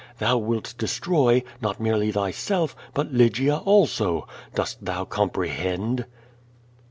Thou wilt destroy, not merely thyself, but Lygia also. Dost thou comprehend?"